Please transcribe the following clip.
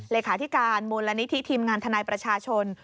เลขาธิการมูลนิธิทีมงานทนายประชาชน